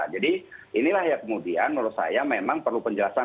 jadi inilah ya kemudian menurut saya memang perlu penjelasan